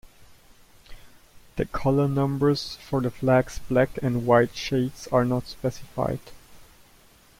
The colour numbers for the flag's black and white shades are not specified.